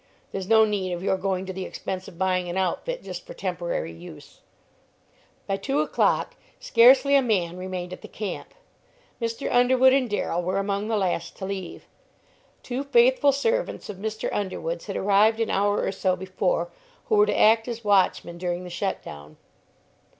There's no need of your going to the expense of buying an outfit just for temporary use." By two o'clock scarcely a man remained at the camp. Mr. Underwood and Darrell were among the last to leave. Two faithful servants of Mr. Underwood's had arrived an hour or so before, who were to act as watchmen during the shut down.